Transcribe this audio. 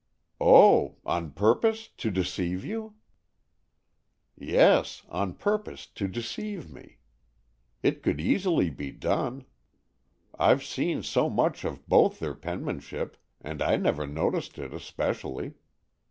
"Oh, on purpose to deceive you!" "Yes, on purpose to deceive me. It could easily be done. I've seen so much of both their penmanship, and I never noticed it especially.